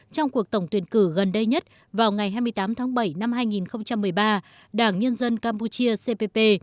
trong cuộc tổng tuyển cử gần đây nhất vào ngày hai mươi tám tháng bảy năm hai nghìn một mươi ba đảng nhân dân campuchia cpp